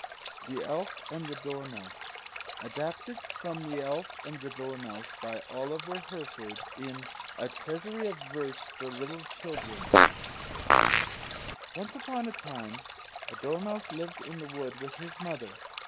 THE ELF AND THE DORMOUSE [Footnote 1: Adapted from The Elf and the Dormouse, by Oliver Herford, in A Treasury of Verse for Little Children. (Harrap. 1s. net.)] Once upon a time a dormouse lived in the wood with his mother.